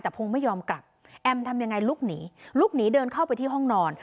แต่พงศ์ไม่ยอมกลับแอมทำยังไงลุกหนีลุกหนีเดินเข้าไปที่ห้องนอน